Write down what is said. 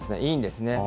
いいんですね。